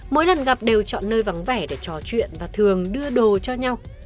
mỗi lần gặp đều chọn nơi vắng vẻ để trò chuyện và thường đưa đồ cho nhau